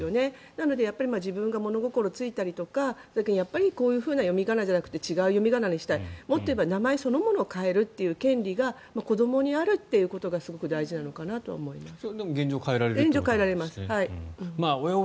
なので、自分が物心ついたりとかやっぱりこういう読み仮名じゃなくて違う読み仮名にしたいもっと言えば名前そのものを変えるという権利が子どもにあるということがすごく大事なのかなと思います。